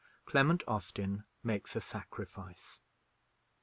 CLEMENT AUSTIN MAKES A SACRIFICE.